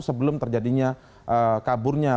sebelum terjadinya kaburnya